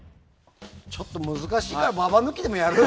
ちょっと難しいからババ抜きでもやるか。